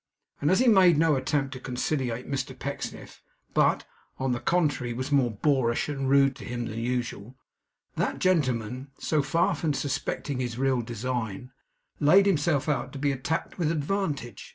And as he made no attempt to conciliate Mr Pecksniff, but, on the contrary, was more boorish and rude to him than usual, that gentleman, so far from suspecting his real design, laid himself out to be attacked with advantage.